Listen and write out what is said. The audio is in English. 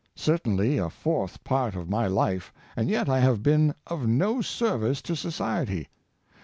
certainly a fourth part of my life, and yet I have been of no service to society.